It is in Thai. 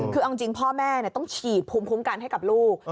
คือเอาจริงพ่อแม่ต้องฉีดภูมิคุ้มกันให้กับลูก